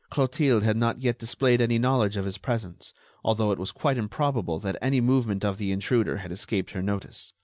Clotilde had not yet displayed any knowledge of his presence, although it was quite improbable that any movement of the intruder had escaped her notice.